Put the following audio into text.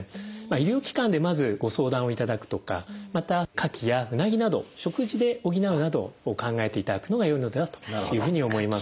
医療機関でまずご相談をいただくとかまたカキやウナギなど食事で補うなどを考えていただくのがよいのではというふうに思います。